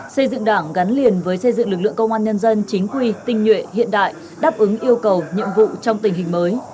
xây dựng đảng gắn liền với xây dựng lực lượng công an nhân dân chính quy tinh nhuệ hiện đại đáp ứng yêu cầu nhiệm vụ trong tình hình mới